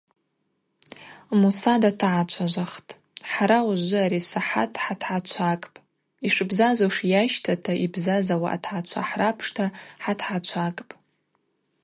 Муса датагӏачважвахтӏ: – Хӏара ужвы ари асахӏат хӏатгӏачвакӏпӏ, йшбзазуш йащтата йбзазауа атгӏачва хӏрапшта хӏатгӏачвакӏпӏ.